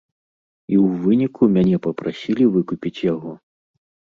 І ў выніку мяне папрасілі выкупіць яго.